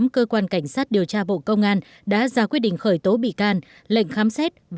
cơ quan cảnh sát điều tra bộ công an đã ra quyết định khởi tố bị can lệnh khám xét